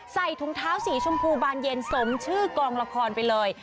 ใส่ถุงเท้าสีชมพูบานเย็นสมชื่อกองละครไปเลย